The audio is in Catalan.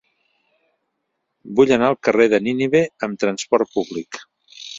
Vull anar al carrer de Nínive amb trasport públic.